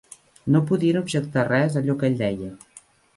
No podien objectar res a allò que ell deia.